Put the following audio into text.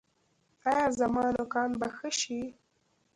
ایا زما نوکان به ښه شي؟